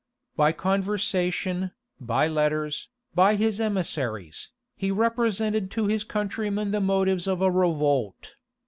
By conversation, by letters, by his emissaries, he represented to his countrymen the motives of a revolt.